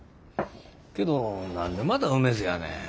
けど何でまたうめづやねん。